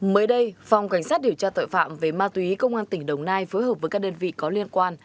mới đây phòng cảnh sát điều tra tội phạm về ma túy công an tỉnh đồng nai phối hợp với các đơn vị có liên quan